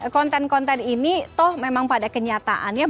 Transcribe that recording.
konten konten ini toh memang pada kenyataannya